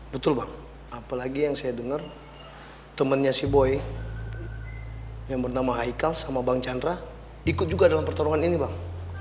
betul bang apalagi yang saya dengar temannya si boy yang bernama haikal sama bang chandra ikut juga dalam pertarungan ini bang